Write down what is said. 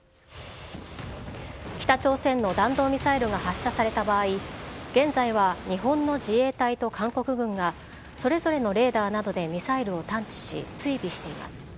北朝鮮の弾道ミサイルが発射された場合、現在は、日本の自衛隊と韓国軍が、それぞれのレーダーなどでミサイルを探知し追尾しています。